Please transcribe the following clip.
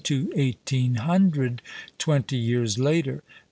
to eighteen hundred, twenty years later.